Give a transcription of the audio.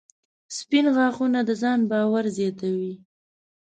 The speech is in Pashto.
• سپین غاښونه د ځان باور زیاتوي.